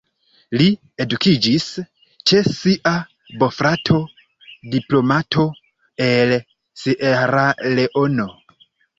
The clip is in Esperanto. Li edukiĝis ĉe sia bofrato, diplomato el Sieraleono.